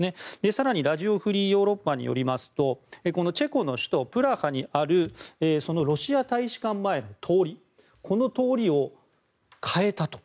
更に、ラジオ・フリー・ヨーロッパによりますとチェコの首都プラハにあるロシア大使館前の通りこの通りを変えたと。